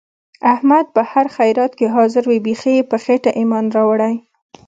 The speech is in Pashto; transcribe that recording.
احمد په هر خیرات کې حاضر وي. بیخي یې په خېټه ایمان راوړی.